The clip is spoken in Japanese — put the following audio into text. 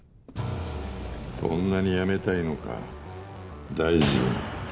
そんなに辞めたいのか大臣。